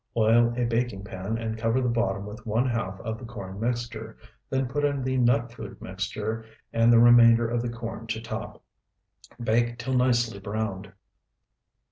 Oil a baking pan, and cover the bottom with one half of the corn mixture, then put in the nut food mixture and the remainder of the corn to top. Bake till nicely browned.